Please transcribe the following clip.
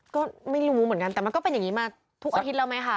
ก็ไม่รู้เลยก็เป็นอย่างนี้มาทุกอาทิตย์